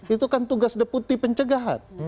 itu kan tugas deputi pencegahan